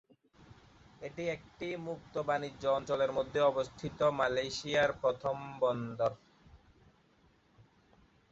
এটি একটি মুক্ত বাণিজ্য অঞ্চলের মধ্যে অবস্থিত মালয়েশিয়ায় প্রথম বন্দর।